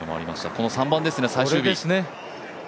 この３番ですね、最終日。